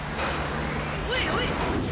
おいおい！